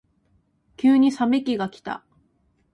急に冷め期がきた。